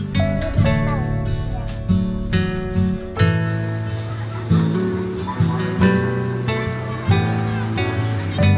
semakin dihamb silk beauty and